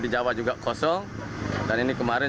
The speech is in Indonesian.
di jawa juga kosong dan ini kemarin